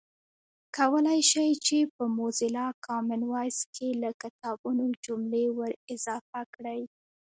کولای شئ چې په موزیلا کامن وایس کې له کتابونو جملې ور اضافه کړئ